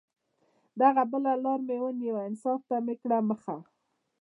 دغه بله لار مې ونیوه، انصاف ته مې کړه مخه